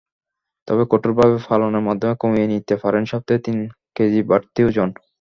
তবে কঠোরভাবে পালনের মাধ্যমে কমিয়ে নিতে পারেন সপ্তাহে তিন কেজিবাড়তি ওজন।